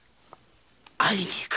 会いに行く。